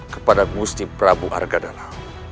kepada gusti prabu argadana